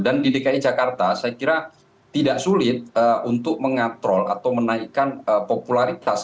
dan di dki jakarta saya kira tidak sulit untuk mengatrol atau menaikkan popularitas